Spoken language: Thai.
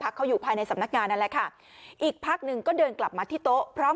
เขาอยู่ภายในสำนักงานนั่นแหละค่ะอีกพักหนึ่งก็เดินกลับมาที่โต๊ะพร้อม